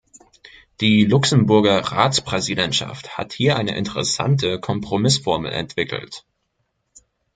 Die Luxemburger Ratspräsidentschaft hat hier eine interessante Kompromissformel entwickelt.